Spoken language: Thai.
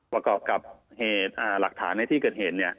ประกอบกับเหตุหลักฐานในที่เกิดเหตุ